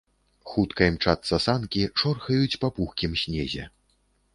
Хутка імчацца санкі, шорхаюць па пухкім снезе.